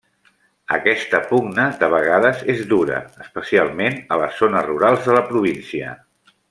Aquesta pugna de vegades és dura, especialment a les zones rurals de la província.